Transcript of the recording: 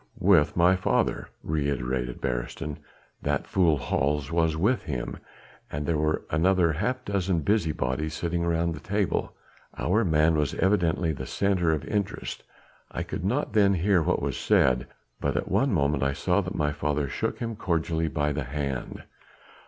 "With my father," reiterated Beresteyn. "That fool, Hals, was with him, and there were another half dozen busy bodies sitting round the table. Our man was evidently the centre of interest; I could not then hear what was said, but at one moment I saw that my father shook him cordially by the hand."